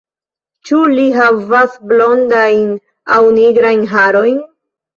Ĉu li havas blondajn aŭ nigrajn harojn?